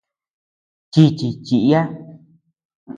Chichi chiya.